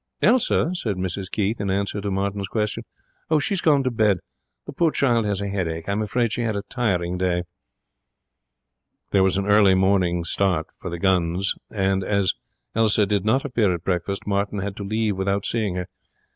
'Elsa?' said Mrs Keith in answer to Martin's question. 'She has gone to bed. The poor child has a headache. I am afraid she had a tiring day.' There was an early start for the guns next morning, and as Elsa did not appear at breakfast Martin had to leave without seeing her.